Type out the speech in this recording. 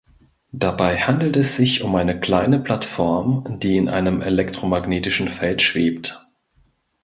Dabei handelt es sich um eine kleine Plattform, die in einem elektromagnetischen Feld schwebt.